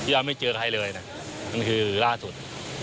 เราไม่เจอใครเลยนะนั่นคือล่าสุด